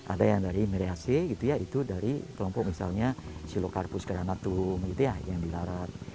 ada yang dari meriace itu dari kelompok misalnya silocarpus granatum gitu ya yang dilarat